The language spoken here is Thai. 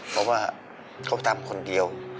เพราะว่าเขาทำคนเดียว